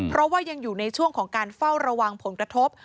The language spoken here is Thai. เพราะว่ายังอยู่ในช่วงของการเฝ้าระวังผลกระทบ